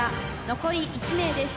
残り１名です。